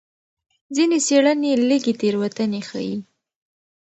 ځینې څېړنې لږې تېروتنې ښيي.